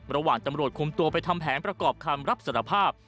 ระหว่างตำรวจคุมตัวไปทำแผนประกอบคำรับสารภาพ